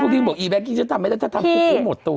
พวกนี้บอกอีแบงก์กิ้งจะทำไหมถ้าทำพวกนี้หมดตัว